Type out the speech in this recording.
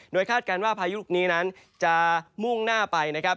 โดยคาดการณ์ว่าพายุลูกนี้จะมุ่งหน้าไป